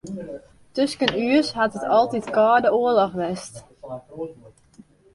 Tusken ús hat it altyd kâlde oarloch west.